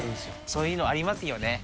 そういうのありますよね。